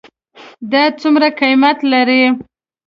دا څومره قیمت لري ?